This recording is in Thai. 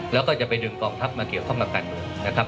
แล้วก็จะไปดึงกองทัพมาเกี่ยวข้องกับการเมืองนะครับ